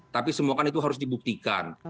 tapi semua kan itu harus dibuktikan